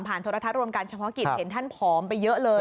ผ่านโทรธรรมการเฉพาะกิจเห็นท่านผอมไปเยอะเลย